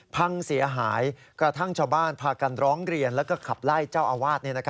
พังเสียหายกระทั่งชาวบ้านพากันร้องเรียนแล้วก็ขับไล่เจ้าอาวาส